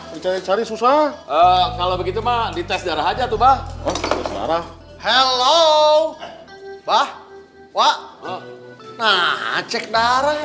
mencari cari susah kalau begitu mah dites darah aja tuh bahwa selera hello bahwa nah cek darah